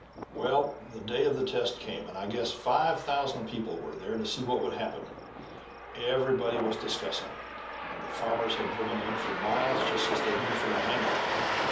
"Well the day of the test came, and I guess five thousand people were there to see what would happen. Everybody was discussing it, and farmers had driven in for miles just as they do for a hanging.